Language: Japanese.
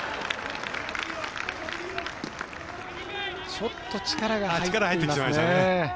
ちょっと力が入ってきましたね。